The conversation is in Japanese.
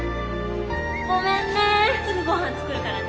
ごめんねすぐご飯作るからね